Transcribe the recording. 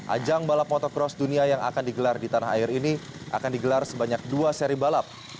ajang balap motocross dunia yang akan digelar di tanah air ini akan digelar sebanyak dua seri balap